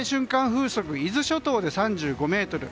風速伊豆諸島で３５メートル